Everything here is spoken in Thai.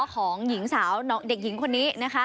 ของหญิงสาวเด็กหญิงคนนี้นะคะ